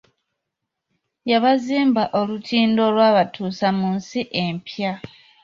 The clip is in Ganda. Yabazimba olutindo olwabatuusa mu nsi empya.